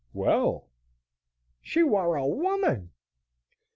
"Well!" "She war a woman."